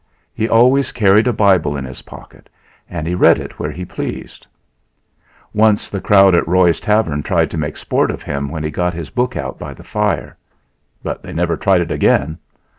He always carried a Bible in his pocket and he read it where he pleased. Once the crowd at Roy's Tavern tried to make sport of him when he got his book out by the fire; but they never tried it again.